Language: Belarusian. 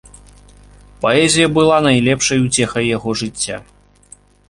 Паэзія была найлепшай уцехай яго жыцця.